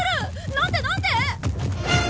なんでなんで？